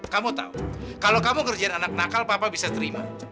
kamu tahu kalau kamu ngerjain anak nakal papa bisa terima